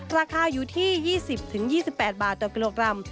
ราคาอยู่ที่๒๐๒๘บาทต่อกิโลกรัม